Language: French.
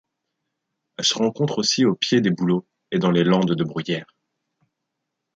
Elle se rencontre aussi au pied des bouleaux et dans les landes de bruyères.